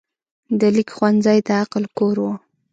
د لیک ښوونځی د عقل کور و.